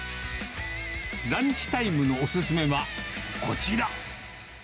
ランチタイムのお勧めはこちら。